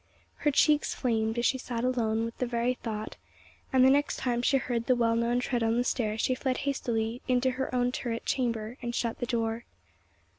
Her cheeks flamed, as she sat alone, with the very thought, and the next time she heard the well known tread on the stair, she fled hastily into her own turret chamber, and shut the door.